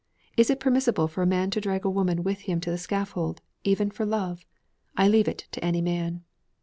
Is it permissible for a man to drag a woman with him to the scaffold, even for love? I leave it to any man.'